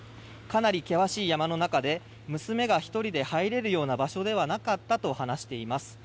かなり険しい山の中で娘が１人で入れるような場所ではなかったと話しています。